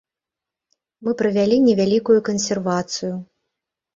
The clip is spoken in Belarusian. Мы правялі невялікую кансервацыю.